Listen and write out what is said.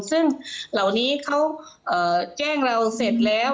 ซึ่งเหล่านี้เขาแจ้งเราเสร็จแล้ว